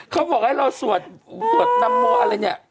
เขาบอกให้เราสวดนำโมะอะไรอย่างนี้